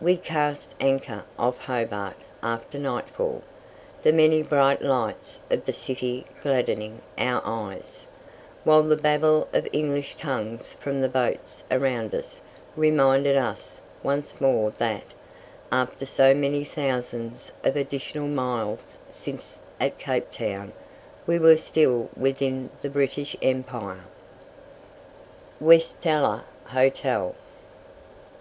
We cast anchor off Hobart after nightfall, the many bright lights of the city gladdening our eyes, while the babble of English tongues from the boats around us reminded us once more that, after so many thousands of additional miles since at Cape Town, we were still within the British Empire. WESTELLA HOTEL.